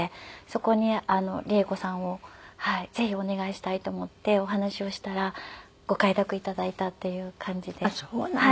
そこにりえ子さんをぜひお願いしたいと思ってお話をしたらご快諾頂いたっていう感じで。